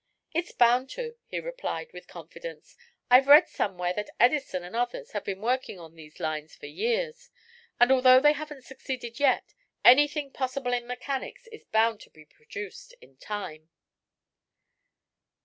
"It's bound to," he replied, with confidence. "I've read somewhere that Edison and others have been working on these lines for years, and although they haven't succeeded yet, anything possible in mechanics is bound to be produced in time."